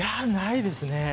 ないですね。